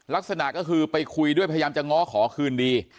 ลักษณะก็คือไปคุยด้วยพยายามจะง้อขอคืนดี